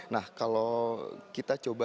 nah kalau kita coba